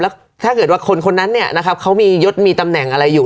แล้วถ้าเกิดว่าคนนั้นเขามียกตำแหน่งอะไรอยู่